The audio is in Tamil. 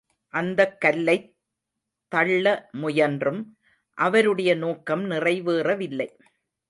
அந்தக் கல்லைத் தள்ள முயன்றும், அவருடைய நோக்கம் நிறைவேறவில்லை.